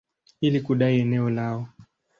ili kudai eneo lao.